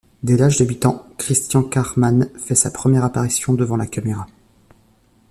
Dès l'âge de huit ans, Christian Kahrmann fait sa première apparition devant la caméra.